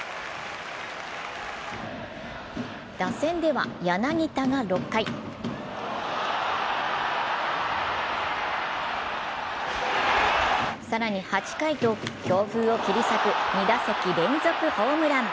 打線では柳田が６回、更に８回と強風を切り裂く２打席連続ホームラン。